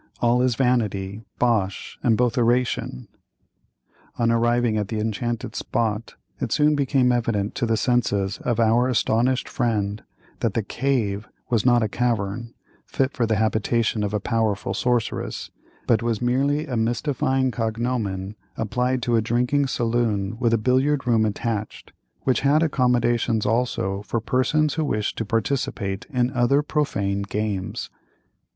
All is vanity, bosh, and botheration. On arriving at the enchanted spot, it soon became evident to the senses of our astonished friend that the "Cave" was not a cavern, fit for the habitation of a powerful sorceress, but was merely a mystifying cognomen applied to a drinking saloon with a billiard room attached, which had accommodations, also, for persons who wished to participate in other profane games.